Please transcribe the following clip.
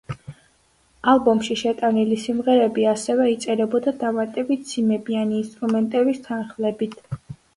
ალბომში შეტანილი სიმღერები ასევე იწერებოდა დამატებითი სიმებიანი ინსტრუმენტების თანხლებით.